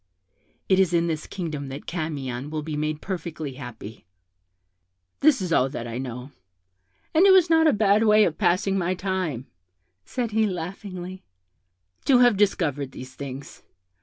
It is in this kingdom that Camion will be made perfectly happy. This is all that I know; and it was not a bad way of passing my time' said he, laughing, 'to have discovered these things.